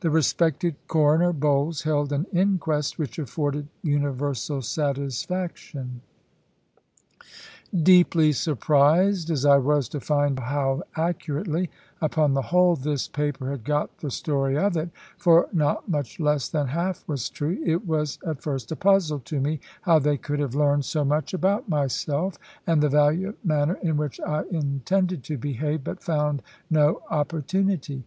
The respected Coroner Bowles held an inquest, which afforded universal satisfaction." Deeply surprised as I was to find how accurately, upon the whole, this paper had got the story of it for not much less than half was true it was at first a puzzle to me how they could have learned so much about myself, and the valiant manner in which I intended to behave, but found no opportunity.